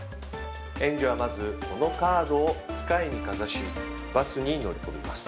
園児はまず、このカードを機械にかざし、バスに乗り込みます。